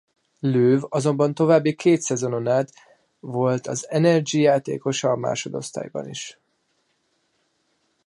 Lőw azonban további két szezonon át volt az Energie játékosa a másodosztályban is.